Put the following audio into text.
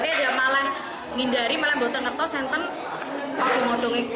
ini malah menghindari malah buatan batas yang berdiri di odong odong itu